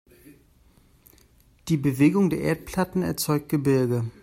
Die Bewegung der Erdplatten erzeugt Gebirge.